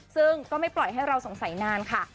ซึ่งก็ไม่ปล่อยให้เราสงสัยนานค่ะ